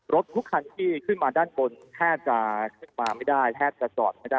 รถทุกคันที่ขึ้นมาด้านบนแทบจะขึ้นมาไม่ได้แทบจะจอดไม่ได้